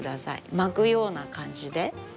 巻くような感じで。